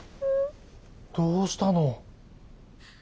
どうしたの？